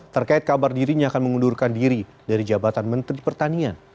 terkait kabar dirinya akan mengundurkan diri dari jabatan menteri pertanian